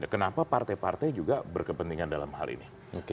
kenapa partai partai juga berkepentingan dalam hal ini